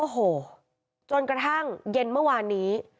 โอ้โหจนกระทั่งเย็นเมื่อวานนี้